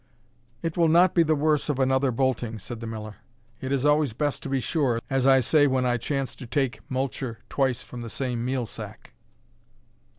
"It will not be the worse of another bolting," said the Miller; "it is always best to be sure, as I say when I chance to take multure twice from the same meal sack."